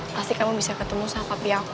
pasti kamu bisa ketemu sahabat papi aku